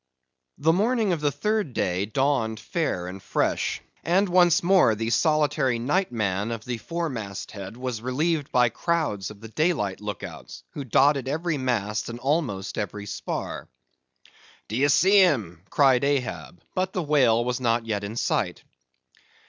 The morning of the third day dawned fair and fresh, and once more the solitary night man at the fore mast head was relieved by crowds of the daylight look outs, who dotted every mast and almost every spar. "D'ye see him?" cried Ahab; but the whale was not yet in sight.